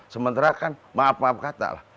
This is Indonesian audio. sementara kan maaf maaf kata lah